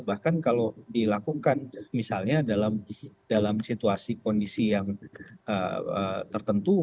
bahkan kalau dilakukan misalnya dalam situasi kondisi yang tertentu